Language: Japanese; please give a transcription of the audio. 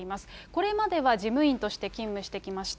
これまでは事務員として勤務してきました。